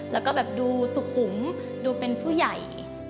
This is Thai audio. แล้วก็แบบดูสุขุมดูเป็นผู้ใหญ่